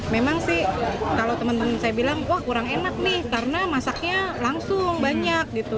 memang sih kalau teman teman saya bilang wah kurang enak nih karena masaknya langsung banyak gitu